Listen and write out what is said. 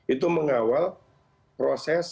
itu mengawal proses